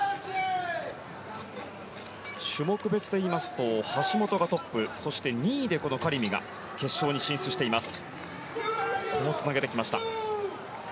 種目別でいいますと橋本がトップそして、２位でカリミが決勝に進出しています。